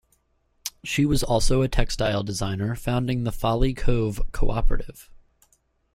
She was also a textile designer, founding the Folly Cove cooperative.